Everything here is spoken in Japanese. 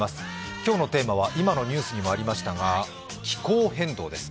今日のテーマは今のニュースにもありましたが気候変動です。